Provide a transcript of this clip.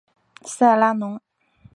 塞拉农。